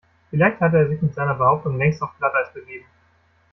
Vielleicht hatte er sich mit seiner Behauptung längst auf Glatteis begeben.